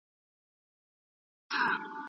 که نظم مات سي ستونزه پیدا کيږي.